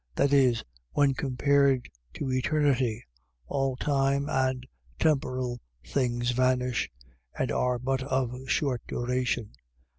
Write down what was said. . .That is, when compared to eternity, all time and temporal things vanish, and are but of short duration.